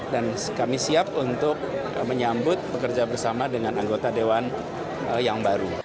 dan kami siap untuk menyambut pekerja bersama dengan anggota dewan yang baru